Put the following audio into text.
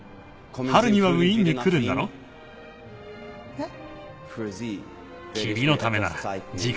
えっ？